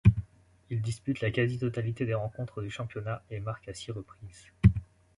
Il dispute la quasi-totalité des rencontres du championnat et marque à six reprises.